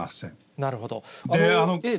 なるほど。